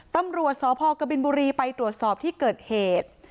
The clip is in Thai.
ตำรวจสพกบินบุรีไปตรวจสอบที่เกิดเหตุ